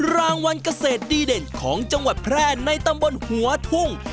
รางวัลเกษตรดีเด่นของจังหวัดแพร่ในตำบลหัวทุ่ง